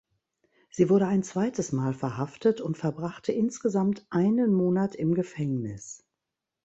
Sie wurde ein zweites Mal verhaftet und verbrachte insgesamt einen Monat im Gefängnis.